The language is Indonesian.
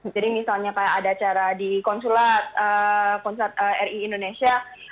jadi misalnya kayak ada acara di konsulat ri indonesia